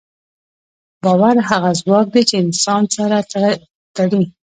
باور هغه ځواک دی، چې انسانان سره تړي.